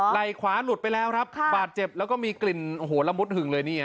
ไหล่ขวาหลุดไปแล้วครับบาดเจ็บแล้วก็มีกลิ่นโอ้โหละมุดหึงเลยนี่